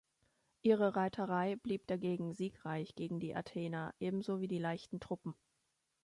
Ihre Reiterei blieb dagegen siegreich gegen die Athener ebenso wie die leichten Truppen.